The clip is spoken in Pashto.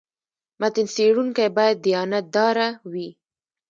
متن څېړونکی باید دیانت داره وي.